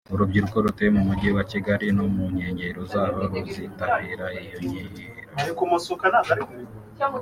urubyiruko rutuye mu Mujyi wa Kigali no mu nkengero zaho ruzitabira iyo nkera